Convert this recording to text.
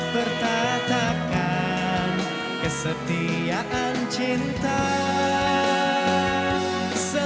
bertatakan kesetiaan cinta